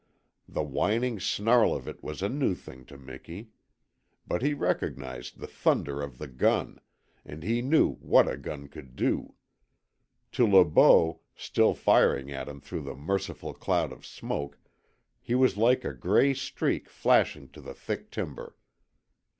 The whining snarl of it was a new thing to Miki. But he recognized the thunder of the gun and he knew what a gun could do. To Le Beau, still firing at him through the merciful cloud of smoke, he was like a gray streak flashing to the thick timber.